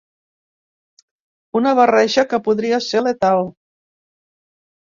Una barreja que podria ser letal.